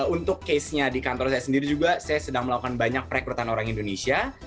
untuk case nya di kantor saya sendiri juga saya sedang melakukan banyak perekrutan orang indonesia